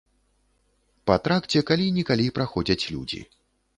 Па тракце калі-нікалі праходзяць людзі.